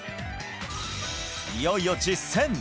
いよいよ実践！